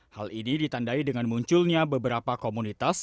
hal ini ditandai dengan munculnya beberapa komunitas